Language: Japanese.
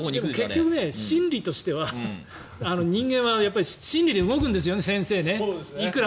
結局、心理としては人間は心理で動くんですよね。